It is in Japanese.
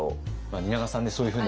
蜷川さんねそういうふうな。